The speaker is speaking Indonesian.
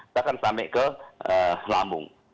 bahkan sampai ke lamung